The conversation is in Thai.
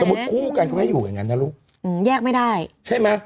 มุติคู่กันก็ไม่อยู่อย่างนั้นนะลูกอืมแยกไม่ได้ใช่ไหม